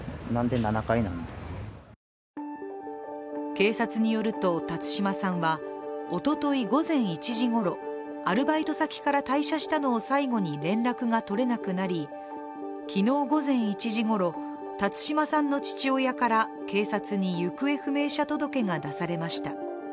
警察によると、辰島さんはおととい午前１時ごろアルバイト先から退社したのを最後に連絡が取れなくなり昨日午前１時ごろ、辰島さんの父親から警察に行方不明者届が出されました。